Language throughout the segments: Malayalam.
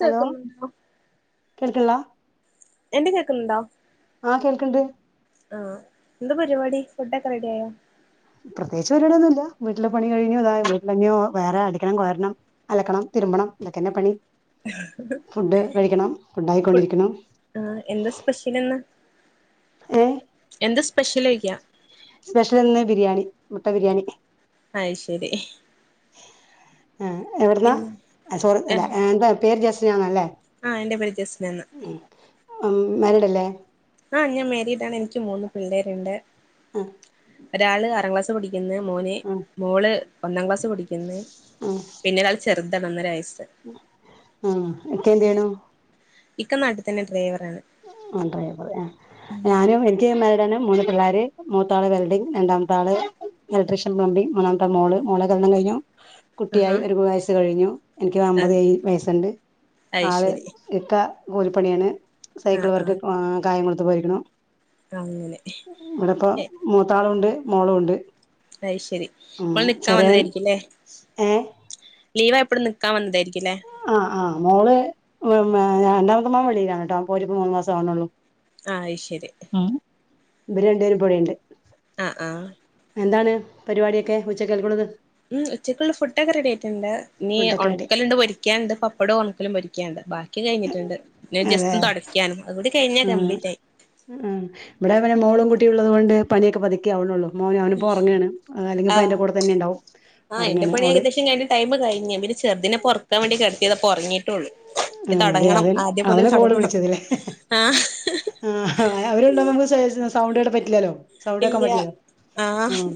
കേക്കുന്നുണ്ടല്ലോ കേക്കിള്ളാ എന്റെ കേക്ക്ന്നുണ്ടോ കേൾക്ക്ണ്ട് ആ എന്ത്പറ്റി പരിപാടി ഫുഡോ ഒക്കെ റെഡിയായോ പ്രത്യേകിച്ച് പരിപടിയൊന്നും ഇല്ലാ വീട്ടിലെ പണി കഴിഞ്ഞു ഇത് തന്നെ വീട്ടിലഞ്ഞോ വേറെ അടിക്കണം, വാരണം, അലക്കണം തിര്മ്പണം ഇതൊക്കെന്നെ പണി ഫുഡ് കഴിക്കണം ഫുഡ് ആയിക്കൊണ്ടിരിക്കണ് ആ എന്താ സ്പെഷ്യല് ഇന്ന് ഏ സ്പെഷ്യൽ ചെയ്യാം സ്പെഷ്യൽ ഇന്ന് ബിരിയാണി മുട്ട ബിരിയാണി ആയ് ശരി ആ എവിടുന്നാ പിന്നെ സോറി അല്ല എന്താ പേര് ജസിയ എന്നാണല്ലേ ആഹ എന്റെ പേര് ജസ്നന്ന് മാരീഡ് അല്ലേ ആഹ ഞാൻ മാരീഡാണ് എനിക്ക് മൂന്ന് പിള്ളേരുണ്ട് ആഹ് ഒരാള് ആറാം ക്ലാസ് പഠിക്കുന്ന് മോന് ആഹ് മോള് ഒന്നാം ക്ലാസ് കുടിക്കുന്നെ ആഹ് പിന്നെ ഒരാൾ ചെറുതാണ് ഒന്നരവയസ്സ് ആഹ് ഇക്ക എന്ത് ചെയ്യ്ണു ഇക്ക നാട്ടിൽ തന്നെ ഡ്രൈവർ ആ ഡ്രൈവർ ഞാനും എനിക്ക് മാ മൂന്ന് പിള്ളേർ മൂത്താള് വെൽഡിങ് രണ്ടാമത്താള് ഇലക്ട്രീഷൻ പ്ലബിങ് മൂന്നാമത്തെ മോള് മോളുടെ കല്യാണം കഴിഞ്ഞു ആഹാ കുട്ടിയായി ഒരു വയസ്സ് കഴിഞ്ഞു എനിക്ക് അമ്പത് വയസ്സുണ്ട് അയ് ആള് ശരി ഇക്ക കൂലിപ്പണിയാണ് സൈക്കിൾ ആഹ് വർക്ക് ആഹ് കായംകുളത്തു പോയിരിക്കുണു അങ്ങനെ ഇവിടെപ്പ മൂത്ത ആളുമുണ്ട് മോളുണ്ട് അയ് ശരി ഓള് നിക്കാൻ വന്നതായിരിക്കും അല്ലേ ഏ ലീവ് ആയപ്പള് നിക്കാൻ വന്നതാരികും ആഹ് ആഹ് മോള് രണ്ടാമത്തെ മോൻ വെളിയിലാണ് കേട്ടോ പോയിട്ടിപ്പോൾ മൂന്നു മാസം ആവണള്ളൂ ആയ് ശരി ഇവര് രണ്ടു പേരും ഇപ്പോ ഇവിടെയുണ്ട് ആഹ് ആഹ് എന്താണ് പരിപാടിയൊക്കെ ഉച്ചക്കത്തേക്കുള്ളത് ഉച്ചക്കുള്ള ഫുഡ്ക്കെ റെഡി ആയിട്ടുണ്ട് നീ ഫുഡൊക്കെ റെഡി ഉണക്കലുണ്ട് പൊരിക്കാൻ പൊരിക്കാനുണ്ട് പപ്പടം ഒണക്കലും പൊരിക്കാനും ഉണ്ട് ബാക്കി കഴിഞ്ഞിട്ടുണ്ട് അതെ ജസ്റ്റ്‌ തുടക്കാനുണ്ട് ഉം ആ ഇവിടെ പിനെ മോളും കുട്ടി ഉള്ളത് കൊണ്ട് പണിയൊക്കെ പതുക്കിയ ആവനുള്ളൂ മോൻ അവനിപ്പോ ഉറങ്ങയാണ് അല്ലെങ്കിപ്പ ആഹ് എന്റെ കൂടെ തന്നെ ഉണ്ടാവും ആഹ് എന്റെ ഉറങ്ങാണ് പണി അവള് ഏകദേശം കഴിഞ്ഞ് ടൈം കഴിഞ്ഞ് പിന്നെ ചെറുതിനെ ഒറക്കാൻ വേണ്ടി കിടത്തിതാ ഇപ്പോ ഉറങ്ങിട്ടേയുള്ളു ആ അതെ അതി അവനെ കോള് വിളിചതലേ ആഹ് അവരുണ്ടമക്ക് [unintelligible] സൗണ്ട് പറ്റില്ലല്ലോ സൗണ്ട് വെക്കാൻ ഇല്ല പറ്റില്ലല്ലോ ആഹ് ഉം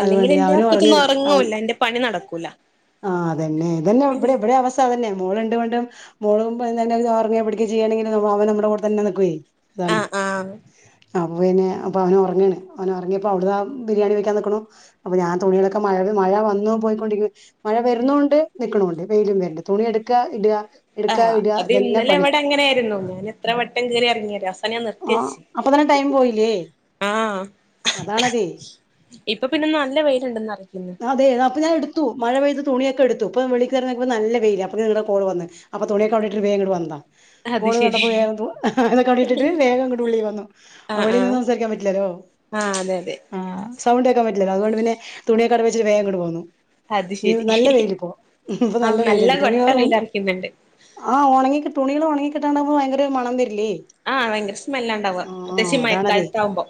അല്ലെങ്കിൽ അതുകൊണ്ട് എൻറെ അവന് ഒക്കത്തൊന്നും ഉറങ്ങുവല്ല എന്റെ പണി നടക്കൂല ആ് അതന്നെ ഇതന്നെ ഇവിടെ എവിടെ അവസ്ഥ തന്നെ മോളുണ്ട് കൊണ്ടും മോള [unintelligible] പിടിക്കുക ചെയ്യയാണെങ്കിൽ അവ നമ്മുടെ കൂടെ തന്നെ നിക്കുവേ ആഹ് ആഹ്. അപ്പോ പിന്നെ അപ്പോ അവൻ ഉറങ്ങയാണ് അവന് ഉറങ്ങിയപ്പോ അവിടൊണ് ബിരിയാണി വെക്കാൻ നിക്കു അപ്പോ ഞാൻ തുണികളൊക്കെ മഴക മഴ വന്നു പോയിക്കൊണ്ടിരിക്ക മഴ വരുന്നുന്നോണ്ട് നിക്ക്ണൊണ്ട് വെയിലും വരണ്ട് തുണി എടുക്ക ഇടുക എടുക്ക ആഹ് ഇടുക അത് ഇതന്നെ ഇന്നലെ പണി എവിടെ അങ്ങനെ ആയിരുന്നു ഞാൻ എത്ര വട്ടം കയറി ഇറങ്ങി അവസാനം ഞാൻ ആ നിർത്തിവെച്ചു അപ്പൊ തന്നെ ടൈം പോയില്ലേ ആഹ്. അതാണതേ ഇപ്പൊ പിന്നെ നല്ല വെയിലുണ്ടെന്ന്. അറിയിക്കുന്നു അതെ അപ്പ ഞാൻ എടുത്തു മഴ പെയ്ത് തുണിയൊക്കെ എടുത്തു ഇപ്പം വെളിറങ്ങിയപ്പോൾ നല്ല വെയില് അപ്പോ നിങ്ങള കോൾ വന്ന് അപ്പോ തുണൊക്കയിട്ടിട് വേഗം വന്നതാ അത് കോള് ശരി കണ്ടപ്പോ വേഗം അതൊക്കെണ്ടിട്ടിട്ട് വേഗം ഇട്ട് ഉള്ളിൽ വന്നു ആ വെളി നിന്ന് സംസാരിക്കാൻ പറ്റില്ലല്ലോ ആഹ അതെ അതെ ആ സൗണ്ട് ഒക്കാൻ പറ്റില്ല അതുകൊണ്ട് പിന്നെ തുണിയെക്കട വെച്ച വേഗം പോന്നു അത് ഈ ശരി നല്ല വെയില് പോ ഇപ്പൊ ആഹ് നല്ല വെയിലുണ്ട് തുണിയോ കൊട്ട വെയിലറക്കുന്നുണ്ട് ആഹ് ഉണങ്ങി തുണികൾ ഉണങ്ങി കിട്ടാണ്ട്പോ ഭയങ്കര ഒരു മണം വരില്ലേ ആഹ് ഭയങ്കര സ്മെല്ലാണ്ടാവുക പ്രത്യേകിച്ച് മയക്കാലത്ത ആവുമ്പോ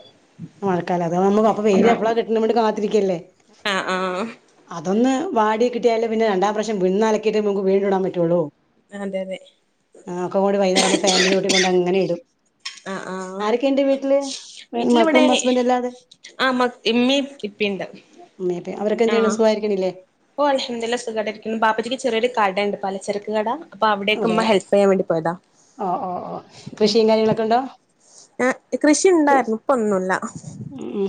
മക്കാല അത നമ്മ അപ്പൊ വെയില് എപ്പള കിട്ടണ് കാത്തിരിക്കല്ലേ ആ ആ ഒന്ന് വാടി കിട്ടിയാല് പിന്നെ രണ്ടാം പ്രാവശ്യം വിന്ന് അലക്കിട്ട് നമക്ക് വീണ്ടും ഇടാൻ പറ്റുള്ളൂ അതെ അതെ ആ ഒക്കെ കൂടി വൈകുന്നേരം ആവുമ്പോ ഫാനിൻ്റെ ചോട്ട് കൊണ്ട് അങ്ങനെ ഇടും ആ ആ ആരൊക്കെ ഉണ്ട് വീട്ടില് മക്കളും ഹസ്ബന്റും അല്ലാതെ ആ മ ഇമ്മീ ഇപ്പിണ്ട് ഉമ്മയും ഉപ്പയും അവരൊക്കെ ആ എന്ത് ചെയ്യണ് സുഖായിരിക്കണില്ലേ ഓ അൽഹംദുദുലില്ലാ സുഖായിട്ട് ഇരിക്കുന്നു ബാപ്പച്ചിക്ക് ചെറിയൊരു കട ഉണ്ട് പലച്ചരക്ക് കട അപ്പൊ അവിടെക്കെ അതെ ഉമ്മ ഹെൽപ് ചെയ്യാൻ വേണ്ടി പോയതാ ഓ ഓ ഓ കൃഷിയും കാര്യങ്ങളൊക്കെ ഉണ്ടോ ആ കൃഷി ഉണ്ടായിരുന്നു ഇപ്പൊന്നുല്ല ഉം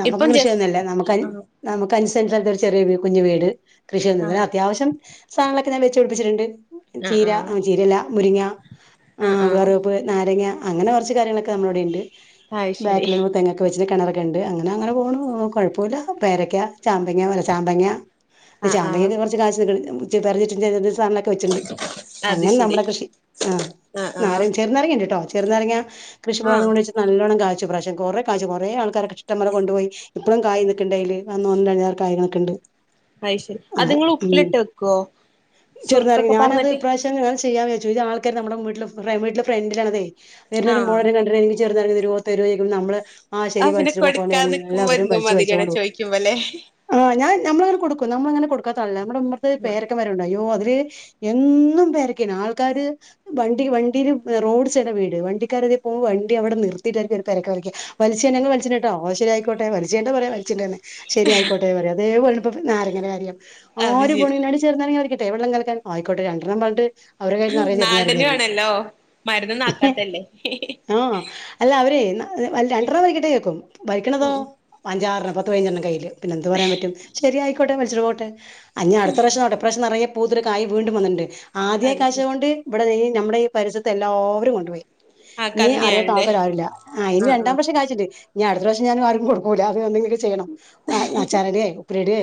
നമുക്ക് കൃഷിയൊന്നുംല്ലേ നമുക്ക് അൻ ആഹ് നമുക്ക് അൻ സെൻചരിച്ച് ഒരു ചെറിയ കുഞ്ഞ് വീട് കൃഷി ഒ പിന്നെ ആഹ് അത്യാവശ്യം സാധനൊക്കെ ഞാ വെച്ചു പിടിപ്പിച്ചിട്ടുണ്ട് ആഹ് ചീര ആ ചീരല്ല മുരിങ്ങ ആ ആഹ് ആഹ് ആഹ് വെറവേപ്പ് നാരങ്ങ അങ്ങന കുറച്ച് കാര്യങ്ങളക്കെ നമ്മളവിടെ ഉണ്ട് ആ ശരി ചിന്ന കിണറൊക്കെ ഉണ്ട് അങ്ങനെ അങ്ങനെ പോണു കുഴപ്പമില്ല പേരക്ക ചാമ്പങ്ങല ചാമ്പങ്ങ ആഹ് ആഹ് ചാമ്പൊക്കെ കുറച്ച് കാശ [unintelligible] സാധനൊക്കെ വെച്ചിണ്ട് അത് അങ്ങനെ ശരി നമ്മുടെ കൃഷി ആഹ് ആഹ് നാര ആഹ് ചെറുനാരങ്ങുണ്ട് കേട്ടോ ചെറുനാരങ്ങ കൃഷിഭാഗം ആഹ് കൊണ്ട് വെച്ച് നല്ലണ്ണം കാച്ചു പ്രാവശം കുറെ കാച്ചു കൊറെ ആൾക്കൊക്കെ ഇഷ്ടമല കൊണ്ട്പോയി ഇപ്പളും കായ് നിക്കണ്ടയ്ല് അന്ന് ഒന്നരിഞ്ഞ കായ് നിക്കണ്ട് അ ശരി അത് നിങ്ങൾ ഉപ്പിലിട്ട് വെക്കുവോ ചെറുനാരങ്ങ സുർക്കൊക്കെ ഞാനത് പാർന്നിട്ട് ഇപ്രാവശ്യം അങ്ങനെ ചെയ്യാ വി ചു ഇത് ആൾക്കാ നമ്മുടെ വീട്ടില് വീട്ടില് ഫ്രണ്ടിലാണതെ വരും ആഹ് പൊന്നോരും കണ്ട എനിക്ക് ചേർന്ന രോ തരോ ചോയ്ക്കും നമ്മള് ആ അത് ശരി പിന്നെ വലിച്ചിട്ട് പോക്കണ്ട് കൊടുക്കാൻ നിക്കുമ്പോ എല്ലാവരും എന്തോ വലിച്ച് വലിച്ചു മാതിരിയാണ് കൊണ്ട് പോകും ചോയിക്കുമ്പല്ലേ ആ ഞാ ഞമ്മളങ്ങനെ കൊടുക്കും നമ്മളങ്ങനെ കൊടുക്കത്തളല്ല നമ്മടുമ്മറത്ത് പേരക്ക മരണ്ട് അയ്യോ അത് ത് എന്നും പേരക്കേണ് ആൾക്കാര് വണ്ടി വണ്ടീൽ റോഡ് സൈഡില വീട് വണ്ടിക്കാര് തിലെ പോകോ വണ്ടി അവിടെ നിർത്തിയിട്ടായിരിക്കും ഒരക്കരക്ക പറിക്കാ വലിച്ചേന്ന ഞങ്ങ വലിച്ചിനിട്ടോ ശരി ആയിക്കോട്ടെ പ ഇജന്ത പറയാ വലിച്ചീണ്ട്ന്ന് ശരി ആയിക്കോട്ടെ പറ അതേ പോലെണ് പ്പൊ നാരങ്ങൻ്റെ കാര്യം അത് ഒരു ശരി പുണിനട് ചേർ നാരങ്ങ പറിക്കട്ടെ വെള്ളം കലക്കാൻ ആയിക്കോട്ട രണ്ടെണ്ണം പറഞ്ഞണ്ട് നാടന് ആണല്ലോ മരന്ന് ആക്കാത്തല്ലേ ആ അല്ല അവരെ ന രണ് ഉം ണ്ടെണ്ണം പറിക്കട്ടെ ചോക്കും പറിക്കണതോ ഉം ഉം അഞ്ചാണ്ണം പത്ത് പതിനഞ്ചണ്ണം കയ്യിയില് പിന്നെ എന്ത് പറയാൻ പറ്റും ശരിയ കോട്ടെ വലിച്ചിട്ട് പോട്ടെ അഞാ അടുത്ത പ്രാവശ്യം ആവട്ടെ ഇപ്രാവശ്യം നിറയെ പൂത്തൊരു കായ് വീണ്ടും വന്നിണ്ട് ആദ്യ അത് കാഴ്ച ശരി കൊണ്ട് ഇവിടെ ഈ നമ്മുടെ ഈ പരിസരത്തെ എല്ലാവരും കൊണ്ടുപോയി ആ നീ അറിയത്ത കന്നിയായോണ്ട് ആൾക്കർ ആരില്ല ആ ഇനി ആഹ് രണ്ടാം ആഹ് പ്രശം ര് ഞാൻ അടുത്ത പ്രാവശ്യം ഞാൻ ആരും കൊടുക്കൂല്ല അത് എന്തെങ്കിലും ചെയ്യണം നച്ചാറിടെ ഉപ്പിലിടേ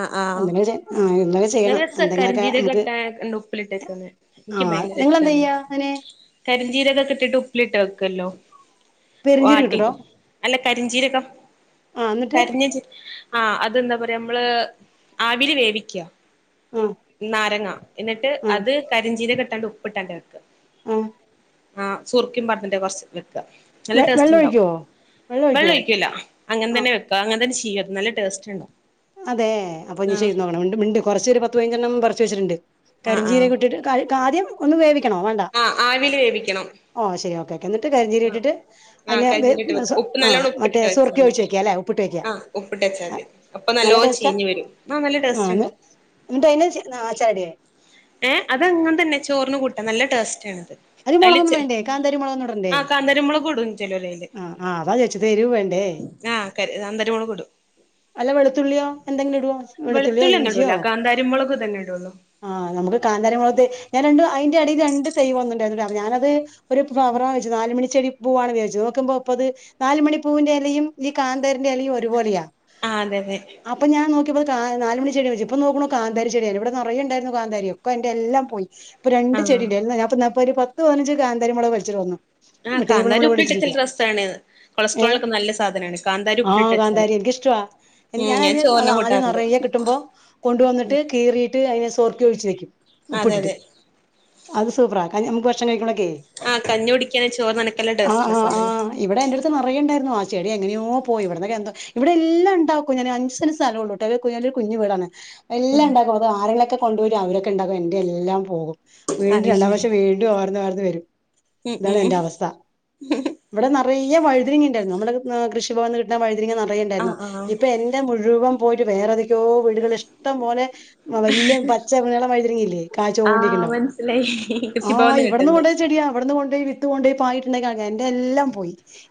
ആഹ് ആഹ് എന്തെങ്കചി ആ ഇന്നലെ നല്ല ചെയ്യണം രസാ എന്തെങ്കിലുമൊക്കെ നമുക്ക് കരിഞ്ചീരകട്ട ഉപ്പിലിട്ടേക്കുന്നെ ആ ആ നിങ്ങളെന്താ ചെയ്യാ അങ്ങനെ കരിഞ്ചീരൊക്കെ ഇട്ടിട്ട് ഉപ്പിലിട്ട് വെക്കല്ലോ പെരിഞ്ചീരകം ഇട്ടിട്ടോ വാട്ടിട്ട് അല്ല കരിഞ്ചീരൊക്കെ ആഹ് എന്നിട്ട് കരിഞ്ഞഞ്ചി ആഹ് അതെന്താ പറയാ നമ്മള് ആവിൽ വേവിക്കുക ആഹ് നാരങ്ങ എന്നിട്ട് ആഹ് അത് കരിഞ്ചീര ഇട്ടാണ്ട് ഉപ്പി ഇട്ടാണ്ട് വെക്ക ആഹ് ആഹ് സുർക്കയും പട്ടന്റെ കുറച്ച്. ക്ക് നല്ല വെ ടേസ്റ്റ് വെള്ളം ഉണ്ടാവും ഒഴിക്കുവോ വെള്ളം ഒഴിക്കൂല അങ്ങനെ ആഹ് തന്നെ വെ അങ്ങനെ തന്നെ ചെയ്യ നല്ല ടേസ്റ്റ് ഉണ്ട്. അതെ അപ്പൊ ഇനി ചെയ്ത് നോക്കണം, മിണ്ട് കുറച്ച് ഒരു പത്ത് പതിനഞ്ചെണ്ണം പറിച്ച് വെച്ചിട്ടുണ്ട്. ആഹ് ആഹ് കരിജീരകം ഇട്ടിട്ട് കാ കാര്യം ഒന്നും വേവി ക്കണോ വേണ്ട ആഹ് ആവില് വേവിക്കണം ഓ ശരി ഓകെ ഓക്കെ നി ട്ട് കരിജിരകം ആഹ് ഇട്ടിട്ട് ആഹ് കരുതിയിട്ട് അതിനകത്ത് വെക്ക ഉപ്പ് ആ നല്ലോണം മറ്റേ ഉപ്പിട്ടിട്ട് സുർക്കി ഒഴിച്ച് വെക്ക അല്ലേ ഉപ്പിട്ട് വെക്ക. വെച്ചാ മതി അപ്പൊ നല്ലോെ ചീഞ്ഞ് വരും ആ നല്ല ടേസ്റ്റ് ആഹ് ഉണ്ടോ എന്നിട്ട് അതിനെ ചരടിയേ എഹ്അങ്ങൻ തന്നെ ചോറിന് കൂട്ട നല്ല ടേസ്റ്റ് ആണ് അയ്ല് കുരുമുളകൊന്നും ചെ വേണ്ടേ കാന്താരി മുളകൊന്നും ഇടണ്ടേ ആഹ് കാന്ന്നരു മൊളകൂടും ചെലോല്ലയ്ല് ആഹ് ആഹ് അതാ ചോദിച്ചത് എരിവ് വേണ്ടേ ആഹ ക അന്തര മൂള് കൊടും അല്ല വെളുത്തുള്ളിയോ വെളുത്തുള്ളി ഒന്നും ഇടൂല കാന്താരിമുളക് തന്നെ ഇടുള്ളൂ ആഹ് നമു കാന്ാരമുളത്തെ ഞാൻ രണ്ട് അന്റെറെടയിൽ രണ്ട് തൈവ ഒന്നും ഉണ്ടായിരുന്നു ഞാനത് ഒരു ഫ് [inaudible] പൂവാണ് വോച്ചു നോക്കുമ്പോ ഇപ്പ അത് നാല് മണി പൂവിന്റെ ഇലയും ഈ കാന്തേറിന്റെ ഇലയും ഒരുപോലെയാ ആഹ് അതെ അതെ അപ്പൊ ഞാൻ കാ നാല് മണി ചെടിയ വെച്ച ഇപ്പ നോക്കണ കാന്താരി ചെട്യാ നി ഇവടെ നറയെ ഇണ്ടായിരുന്നു കാന്താരി ഒക്കയ് ഇന്റെ എല്ല പോയി ഇപ്പ രണ്ട് ആഹ് ചെടില് [unintelligible] ന്നാ പ്പ് അപ്പപ്പൊ രു പത്ത് പയ്നഞ്ച് കാന്തരീ മൊള വളിച്ചിട് വ ന്നു ആഹ് കാന്താരി ഉപ്പിൽട്ടച നൽ രസാണ് ഏഹ് കൊളസ്ട്രോളിനൊക്കെ നല്ല സാധനണ് കാന്താരി ഉപ്പിലിട്ട് വെച്ചാല് [unintelligible] ഉം ഞാന ഞാൻ ചോറിന് ആദ്യം കൂട്ടാറുണ്ട് നിറയ കിട്ടുമ്പോ കൊണ്ടുവന്നിട്ട് കീറീട്ട് [unintelligible] ഴും അതെ അതെ ആഹ് കഞ്ഞി കുടിക്കാന് ചോറിന് നനക്കല്ല ഏയ് ടേസ്റ്റുള്ള ആഹ്. സാധന ആഹ് ഇവിടെ എന്റെ ട്ത്ത് നറയേ ഇണ്ടായിരുന്നു ആചെ ഇവി എങ്ങനെയോ പോയി ഇവിടന്നൊക്ക എന്തോ ഇവിടെ എല്ലാം ഉണ്ടാക്കും അത് ആരെകിലൊക്കെ കൊണ്ടോരും അരൊക്കെ ഇണ്ടാക്കും എന്റെ എല്ലാം പോവും അറിയി [unintelligible] [unintelligible] ഇതാണ് എന്റെ അവസ ഇവടെ നറയെ വഴ്തനങ്ങ നമ്മുടെ കൃഷിഭവന് കിട്ട്ന്ന വഴ്തനങ്ങ നിറയെ ഇണ്ടായിരുന്നു ആഹ് ആഹ് ഇപ്പെ എന്റെ മുഴുവൻ പോയിട്ട് വേറേതേ [unintelligible] വീടുകൾ ഇഷ്ടം പോലെ വല്ല്യ പച്ച [unintelligible] നീള വഴ്തി [unintelligible] ങ്ങില്ലേ ആഹ് കാഴ്ച്ചോണ്ടിരിക്ണ്ടാവും [unintelligible] ആഹ് ഇവിടന്ന് കിട്ടുന്നത് കൊണ്ട് പോയ ചെഡിയ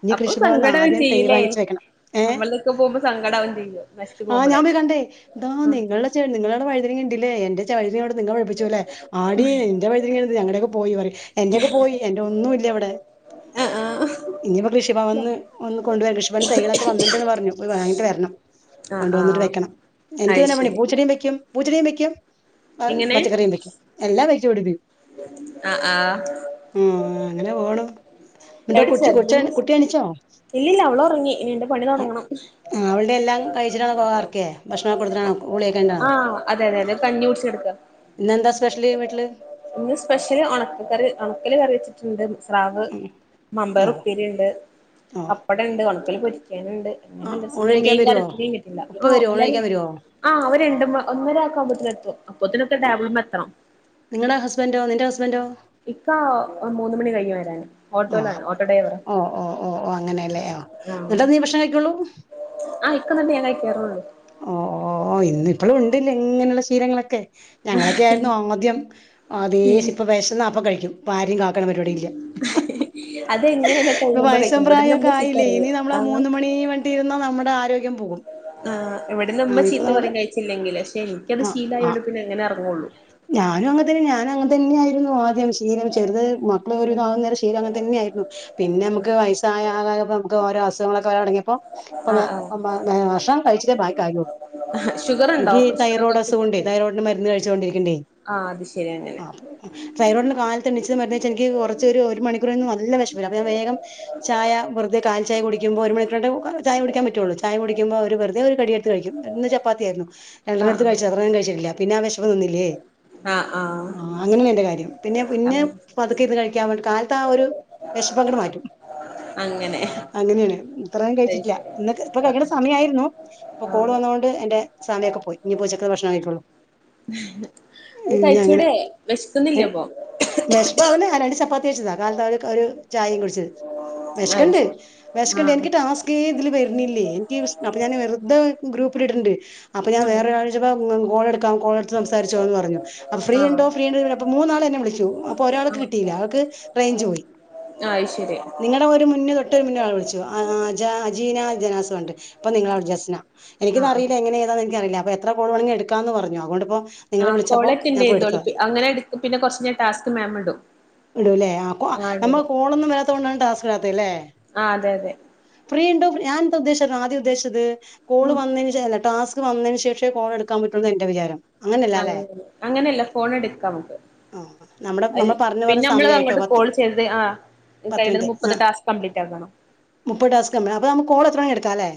ഇനി അപ്പൊ കൃഷിഭവന്ന് സങ്കടാവും ആദ്യം തൈ ചെയ്യൂലേ വാങ്ങിച്ച് വെക്കണം ഏ നമ്മളൊക്കെ പോകുമ്പോ സങ്കടാവും ചെയ്യും നശിച്ചു ആഹ് പോകുമ്പളേ ഞാൻ കണ്ടേ താ ആഹ് നിങ്ങൾടെ ചെ നിങ്ങളുടെ വഴുതിന ലേ എന്റെ ച [unintelligible] വഴിനെോട് നിങ്ങളൊഴിപ്പിച്ചുല്ലെ ആടീ നിന്റെ വഴുതനങ്ങ ഞങ്ങടെയക്കെ പോയി പറ എന്റെയൊക്കെ പോയി എന്റെറെ ഒന്നുമ ഇല്ല അവിടെ ആഹ് ഇനിയിപ്പോ കൃഷിഭവന്ന് ഒന്ന് കൊണ്ട വരാം കൃഷിഭവന് തൈളൊക്കെ വന്നിണ്ട് പറഞ്ഞു വാങ്ങിട്ട് വരണം ആഹ് കൊണ്ടുവന്നിട്ട് ആഹ് വെക്കണം അത് എനിക്കതെന്നെ പണി ശരി പൂച്ചനിം വെക്ക്യും പൂച്ചടിയു വയ്ക്കും എങ്ങനെ പച്ചക്കറിയും വയ്ക്കും എല്ലാം വയ്ച്ച് പിടിപ്പ ആഹ് ആഹ് ഉം അങ്ങനെ പോണു എന്നിട്ട് എവിടെ ചെ കൊച്ച് കൊച്ച് [unintelligible] കുട്ടി എണീച്ചോ? ഇല്ല്യല്ല അവളൊറ്ങ്ങി ഇനി എന്റെ പണി തൊടങ്ങണം ആഹ് അവളുടെ എല്ലാം കഴിച്ചിട്ടാണോ കോ വർക്കേ ഭക്ഷണം കൊടുത്തിട്ടാണോ ഗുളിയൊക്കെ ഉണ്ടോ ആഹ് അതെതെ അതെ കഞ്ഞികുട്ച്ച ഇന്നെന്താ സ്പെഷ്യല് വീട്ടില് ഇന്ന് സ്പെഷ്യല് ഒണക്ക കറി ഒണക്കല് കറി വെച്ചിട്ട്ണ്ട് സ്രാവ് ഉം. മമ്പേർ ഓ ഉപ്പേരി ഉണ്ട് ഓ പപ്പടണ്ട് ഒണക്കൽ പൊര് ണ്ട് അങ്ങനെ ആഹ് ഊണ് എന്ത കഴിക്കാൻ മീൻകർ വരുവോ മീൻ കിട്ടില്ല ഉപ്പ ആ വരുവോ ഊണ് അല്ലും കഴിക്കാൻ വരുവോ ആഹ് അവ രണ്ടും ഒന്നര ആക്കാവുമ്പോത്തേ എത്തും അപ്പത്തിനൊക്കെടാബിൾമെത്തണം നിങ്ങളെ ഹസ്ബൻന്റോ നിന്റെ ഹസ്ബൻന്റോ ഇക്ക മൂന്ന് മണി കഴിയും വരാന് ഓ ഓട്ടോയിലാണ് ഓട്ടോ ഡ്രൈവറാ ഓ ഓ ഓ ഓ അങ്ങനെല്ലേ ഓ എന്നിട്ടാ നീ ഭക്ഷണം കഴിക്കൊള്ളു അ ഇക്ക വന്നെ ഞാക്കഴിക്കാറുള്ളു ഓ ഓ ഓ ഇന്ന് ഇപ്പളും ഉണ്ട്ല്ല ഇങ്ങനെയുള്ള ശീലങ്ങളൊക്കെ ഞങ്ങളൊക്കെ ആയിരുന്നു അദ്യം [inaudible] ഇപ്പ വിശന്നപ്പൊ കഴിക്കും പ്പൊ ആരെയും കാക്കണ പരിപാടില്ല അതെങ്ങനെയല്ല ഇപ്പൊ കഴിയുമ്പോ വയസും കഴിക്കും പ്രായം ഇവിടുന്ന് ഒക്കെ ഉമ്മ ചീത്ത ആയില്ലേ പറയും ഇനി നമ്മള് ആഹ് മൂന്ന് മണി വണ്ടി ഇരുന്നാ നമ്മുടെ ആരോഗ്യം പോകും ആ് എവിടെന്ന്മ്മ ആഹ് ഇപ്പൊ ചീത്ത നമ്മള് പറയും കഴിച്ചില്ലെങ്കിൽ പക്ഷെ എനിക്കത് ആഹ് ആഹ് ശീലായതോണ്ട് പിന്നെ എങ്ങനെ ഞാനും അങ്ങ തന്നെ ഞാനും അങ്ങ തന്നെയ ആായിരുന്നു ആദ്യം [unintelligible] ചെറത് [unintelligible] മക്കള ഒരു വിതം അങ്ങനെ [unintelligible] അങ്ങൻ തന്നെ ആയിരുന്നു പിന്നെ നമുക്ക് വയസായാൽ [unintelligible] ഓരോ അസുഖങ്ങളൊക്കെ വരലൊടങ്ങ്യേപ്പം ആഹ് [unintelligible] വെച്ചിട്ടാ ബാക്കി കാര്യമുള്ള ആഹ് ഷുഗർ ഉണ്ടോ എനിക്ക് പ്രഷറൊക്കെ തൈറോയ്ഡ് അസുഖമുണ്ടേ ഷുഗർ തൈറോയ്ഡ് മരുന്ന് കഴി ണ്ടിരിക്കണ്ടേ ആഹ് അത് ശരി അങ്ങനെ ആ തൈറോയ്ഡ്. ഇന്ന് കാലത്ത് എണീച്ച് മരുന്ന് കഴിച്ച എനിക്ക് കുറച്ചു ഒരു ഒരു മണിക്കൂറ് നല്ല വിശപ്പ് അപ്പോ ഞാൻ വേഗം ചായ വെറുതെ കാ ചായ കുടിക്കുമ്പോ ഒരു മണിക്കൂർ ചായ കുടിക്കാൻ പറ്റത്തുള്ളൂ, ചായ കുടിക്കുമ്പോ ഒരു വെറുതെ ഒരു കടി എടുത്ത് കഴിക്കും ഇന്ന് ചപ്പാത്തിയായിരുന്നു. രണ്ടെണ്ണം എടുത്ത് ആഹ് കഴിച്ചു അത്രയും കഴിച്ചിട്ടില്ല പിന്നെ ആ വിഷപ്പ് നിന്നില്ലേ. ആഹ് ആഹ് ആ അങ്ങനെ എന്റെ കാര്യം പിന്നെ പിന്നെ ആഹ് പതുക്കെ ഇരുന്ന് കഴിക്കാൻ വേണ്ടി കാലത്ത് ആ ഒരു. വിശപ്പങ്ങട് മാറ്റും. അങ്ങനെ അങ്ങനെയാണ് ഇത്രയും അത് കഴിച്ചിട്ടില്ല ശരി ഇന്ന് ഇപ്പൊ ആഹ് കഴിക്കുന്ന സമയായിരുന്നു ഇപ്പൊ കോള് ആഹ് വന്ന കൊണ്ട് എന്റെ. സമയയൊക്കെ പോയി ഇനി ഉച്ചക്ക് ഭക്ഷണം കഴിക്കോളൂ. അത് കഴിച്ചൂടെ വിശക്കുന്നില്ലേ അപ്പൊ. വിശപ്പ് ആവൂല രണ്ട് ചപ്പാത്തി കഴിച്ചതാ കാലത്ത് ഒരു ചായയും കുടിച്ചത് അത് വിശക്കണ്ട് ശരി വിശക്കണ്ട് ആഹ് എനിക്ക് ടാസ്‌കെ. ഇതിൽ വരണില്ലേ എനിക്ക് അപ്പൊ ഞാൻ വെറുതെ ഗ്രൂപ്പിലിടുന്നുണ്ട്, അപ്പൊ ഞാൻ വേറെ ഒരാളോട് ചോയിച്ചപ്പോ ആ. കാൾ എടുക്കാൻ. സംസാരിച്ചു ഒന്ന് അറിഞ്ഞോ ഫ്രീ ആഹ് ആഹ് ഉണ്ടോ ഫ്രീ ഉണ്ടോ അപ്പൊ മൂന്നാൾ എന്നെ വിളിച്ചു അപ്പോ ഒരാൾക്ക് കിട്ടയില്ല അവൾക് റേഞ്ച്. റേഞ്ച് അത് ശരി നിങ്ങളുടെ ഒരു മുന്നെ തൊട്ട് മുന്നെ ഒരാൾ വിളിച്ചു അജീന ജനാസ ഇപ്പൊ നിങ്ങളാണ് ജസ്ന. ആഹ് എനിക്കിത് ആഹ് അറിയില്ല എങ്ങനെ ഏതാണെന്നു അറിയില്ല അപ്പോ എത്ര കാൾവേണേലും എടുക്കന്ന് പറഞ്ഞു അതുകൊണ്ട് ഇപ്പം. ആ കാൾ അറ്റന്റ് ചെയ്‌തോലിപ്പ്‌ അങ്ങനെ പിന്നെ കുറച്ചു കഴിഞ്ഞ ടാസ്ക് മാം ഇടും. ഇടൂല്ലേ ആ ആഹ് നമ്മള് ഇടുടും കോളൊന്നും വരാത്തണ്ടേ ടാസ്ക് ഇല്ലാത്തയല്ലേ. ആഹ് അതെ അതെ ഫ്രീ ഉണ്ടോ ഞാൻ എന്താ ഉദ്ദേശിച്ചത് ആദ്യം ഉദ്ദേശിച്ചത് കാൾ ഉം വന്നതിനു ശേഷം അല്ല ടാസ് അത് വന്നതിനു ശേഷം കാൾ എടുക്കാൻ പറ്റുള്ളന്ന് എന്റെ വിചാരം. അങ്ങനല്ല ആ അല്ലേ അങ്ങനെ അങ്ങനെയല്ല ഫോൺ എടുക്കാം ആ നമ്മുടെ അല്ലെ നമ്മൾ പറഞ്ഞു നമുക്ക്‌. പറഞ്ഞ നമ്മൾ സമയമായിട്ടോ അങ്ങോട്ട് പത്ത് കോൾ ചെയ്തത് ആ പത്ത് കഴിയുന്നത് മിനിറ്റ് മുപ്പത് ആ ടാസ്ക് കംപ്ലീറ്റ് ആകണം. മുപ്പത് ടാസ്ക് കംപ്ലയിന്റ് അപ്പൊ നമ്മൾ കാൾ. അങ്ങനെ എടുക്കലോ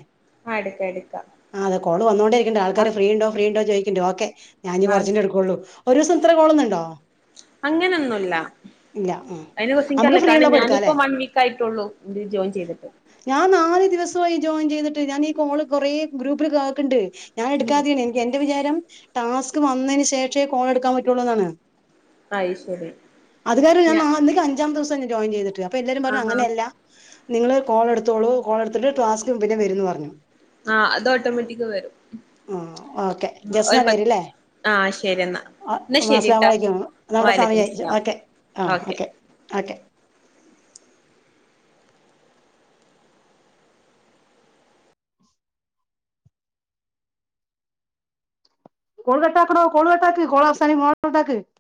ആഹ് എടുക്കാം എടുക്കാം ആഹ് കാൾ വന്നോടെ ഇരിക്ക ആൾക്കാര് ഫ്രീ ഉണ്ടോ ഫ്രീണ്ടോ ചോ ഓക്കെ ഞാൻ ഈ ആഹ് പറഞ്ഞച്ചിലെ എടുക്കുള്ള ഒരുദിവസം ഇത്ര കോളൊന്നുണ്ടോ. അങ്ങനൊന്നുല്ല ഇല്ല ആ അതിനെ കുറിച് എനിക്ക് നമുക്ക് അറിയില്ല ഫ്രീ കാരണം ഉള്ളപ്പോ എടുക്കാല്ലേ ഞാനിപ്പോ വൺ വീക്ക് ആയിട്ടുള്ളൂ ഇതിൽ ജോയിൻ ചെയ്തിട്ട്. ഞാൻ നാല് ദിവസവായി. ജോയിൻ ചെയ്തിട്ട് ഞാൻ ഈ കാൾ കുറെ ഗ്രൂപ്പിൽ ആക്കുണ്ട് ഞാൻ ഉം എടുക്കാതെ ആണ് എന്റെ വിചാരം. ടാസ്ക് വന്നതിന് ശേഷമേ കാള് എടുക്കാൻ പറ്റുള്ളൂ ആണ്. അയ് ശരി അത് ഞാ വേണലോം ജോയിൻ ചെയ്തിട്ട് അപ്പൊ പറഞ്ഞു എല്ലാരും പറഞ്ഞു അത് ആഹാ അങ്ങനെയല്ല. നിങ്ങള് കോൾ എടുത്തോളൂ കാള് എടുത്തിട്ട് ടാസ്ക് പിന്നെ വരും എന്ന് പറഞ്ഞു. ആ അത് ഓട്ടോമാറ്റിക് വരും ആ ഓക്കെ ജസ്ന ഒരു പത്ത് പേരല്ലേ. ആഹ് ശരി എന്നാ ആ എന്നാ ശരിട്ടാ അസ്സലാമുഅലൈക്കും നമ്മുടെ സമയം വാലൈക്കും ആയി സ്ലാം ഓക്കെ. ആ ഓക്കെ ഓക്കെ കാള് കട്ട്‌ ആക്കണോ കാള് കട്ട്‌ ആക്കും അവസാനം [unintelligible] ഉണ്ടാക്കി.